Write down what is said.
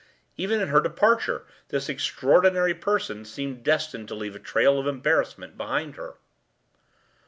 Even in her departure this extraordinary person seemed destined to leave a trail of embarrassment behind her.